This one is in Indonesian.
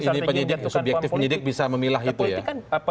ini penyidik subjektif penyidik bisa memilah itu ya